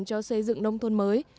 cho xây dựng nông thôn mới